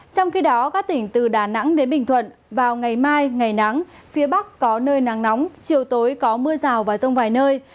trong khi đó các tỉnh từ đà nẵng đến bình thuận vào ngày mai ngày nắng phía bắc có nơi nắng nóng chiều tối có mưa rào và rông vài nơi